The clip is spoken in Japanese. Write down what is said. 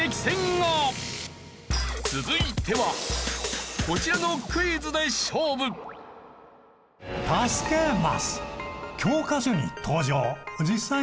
続いてはこちらのクイズで勝負。を答えよ。